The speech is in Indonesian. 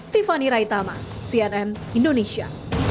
tiffany raitama cnn indonesia